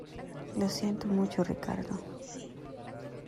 lo siento mucho, Ricardo.